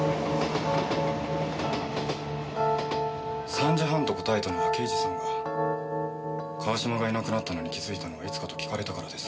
３時半と答えたのは刑事さんが川島がいなくなったのに気づいたのはいつかと聞かれたからです。